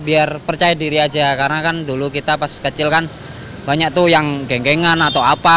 biar percaya diri aja karena kan dulu kita pas kecil kan banyak tuh yang genggengan atau apa